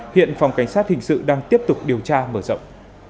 hiện phòng cảnh sát hình sự đang tiếp tục điều tra mở rộng